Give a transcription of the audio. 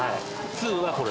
通はこれ。